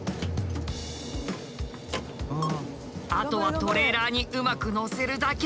あとはトレーラーにうまく載せるだけ。